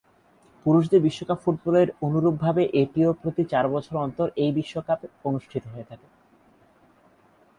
পুরুষদের বিশ্বকাপ ফুটবলের অনুরূপভাবে এটিও প্রতি চার বছর অন্তর এই বিশ্বকাপ অনুষ্ঠিত হয়ে থাকে।